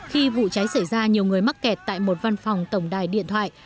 khi vụ cháy xảy ra nhiều người mắc kẹt tại một văn phòng tổng đài điện thoại